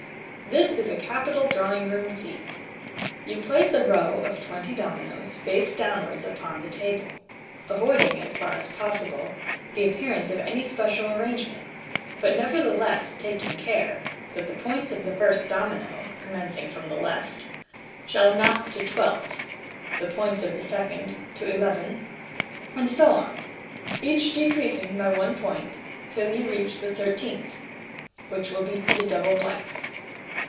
— This is a capital drawing room feat. You place a row of twenty dominoes face downwards upon the table, avoiding as far as possible the appearance of any special arrangement, but never theless taking care that the points of the first domino (commencing from the left) shall amount to twelve, the points of the second to eleven, and so on, each decreasing by one point till you reach the thirteenth, which will be the double blank.